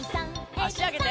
あしあげて。